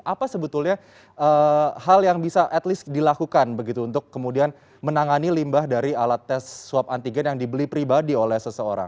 apa sebetulnya hal yang bisa at least dilakukan begitu untuk kemudian menangani limbah dari alat tes swab antigen yang dibeli pribadi oleh seseorang